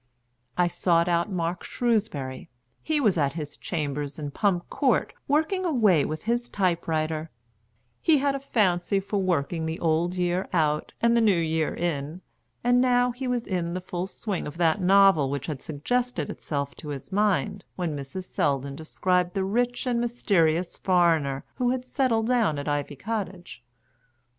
I sought out Mark Shrewsbury. He was at his chambers in Pump Court working away with his type writer; he had a fancy for working the old year out and the new year in, and now he was in the full swing of that novel which had suggested itself to his mind when Mrs. Selldon described the rich and mysterious foreigner who had settled down at Ivy Cottage.